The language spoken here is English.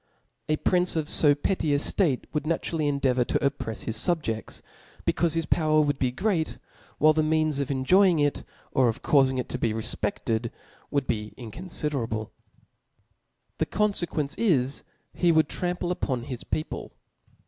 A prince of (o petty a ftatc would naturally endeavour to opprefs his fubjefts, becaufe his power would be great. While the means of enjoying it or of caufing it to be refpefted, would be incoiifiderable. The con fequence is, he would trample upon his people.